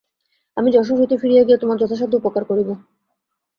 আমি যশোর হইতে ফিরিয়া গিয়া তোমার যথাসাধ্য উপকার করিব।